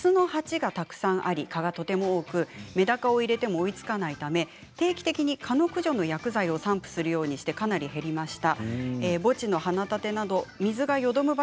はすの鉢がたくさんあり蚊がとても多く、メダカを入れても追いつかないため定期的に蚊の駆除の薬剤を散布するようにしてかなり減りました。